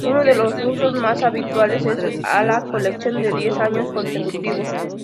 Uno de los usos más habituales es a la colección de diez años consecutivos.